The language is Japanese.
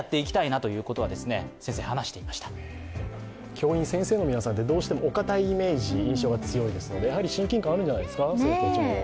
教員、先生の皆さんってどうしてもお堅いイメージが多いのでやはり親近感あるんじゃないですか、生徒たちも。